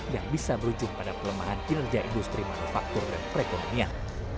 yang bisa berujung pada pelemahan kinerja industri manufaktur dan perekonomian